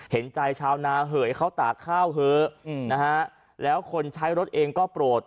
เห็นใจชาวนาเหยเขาตากข้าวเถอะนะฮะแล้วคนใช้รถเองก็โปรด